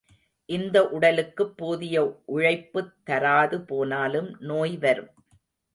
இந்த உடலுக்குப் போதிய உழைப்புத் தராது போனாலும் நோய் வரும்.